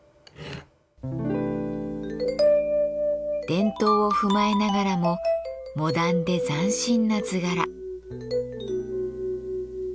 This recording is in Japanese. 伝統を踏まえながらもモダンで斬新な図柄。